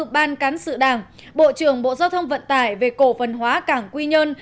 ban cán sự đảng bộ trưởng bộ giao thông vận tải về cổ văn hóa cảng quy nhơn